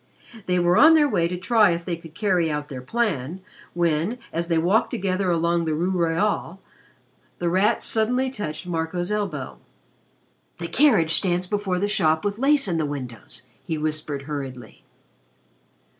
They were on their way to try if they could carry out their plan, when, as they walked together along the Rue Royale, The Rat suddenly touched Marco's elbow. "The carriage stands before the shop with lace in the windows," he whispered hurriedly.